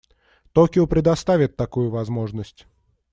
Токио предоставит такую возможность.